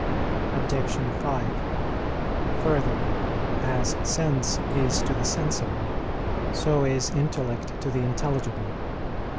Obj. 5: Further, as sense is to the sensible, so is intellect to the intelligible.